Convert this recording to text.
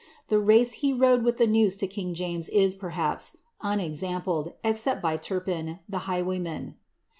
The race he rode with the news to king James is, perhaps, unexampled, except by Turpin, the highwayman.